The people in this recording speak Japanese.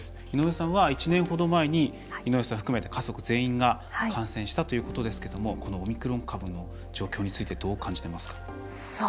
井上さんは１年ほど前に井上さん含めて家族全員が感染したということですけれどもこのオミクロン株の状況についてどう感じてますか？